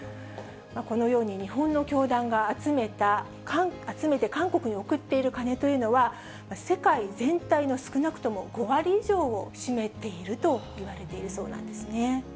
このように、日本の教団が集めて韓国に送っているカネというのは、世界全体の少なくとも５割以上を占めているといわれているそうなんですね。